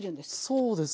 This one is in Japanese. そうですね。